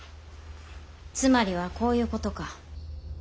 つまりはこういうことか。